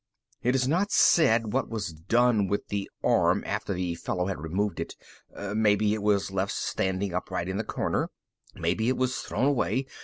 _ It's not said what was done with the arm after the fellow had removed it. Maybe it was left standing upright in the corner. Maybe it was thrown away.